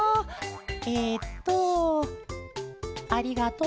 えっとありがとう。